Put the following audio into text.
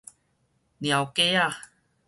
貓架仔